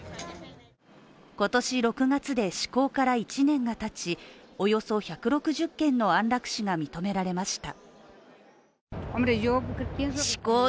今年６月で施行から１年がたちおよそ１６０件の安楽死が認められました。